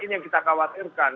ini yang kita khawatirkan